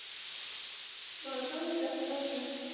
مالکم یې ناکراره کړ.